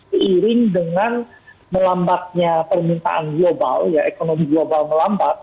seiring dengan melambatnya permintaan global ya ekonomi global melambat